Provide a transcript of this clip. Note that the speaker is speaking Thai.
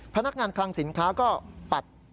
พนักงานคลังสินค้าก็ปัด